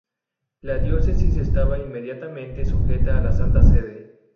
La diócesis estaba inmediatamente sujeta a la Santa Sede.